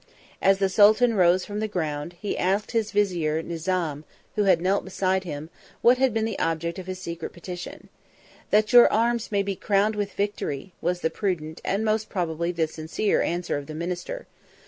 As the sultan rose from the ground, he asked his vizier Nizam, who had knelt beside him, what had been the object of his secret petition: "That your arms may be crowned with victory," was the prudent, and most probably the sincere, answer of the minister.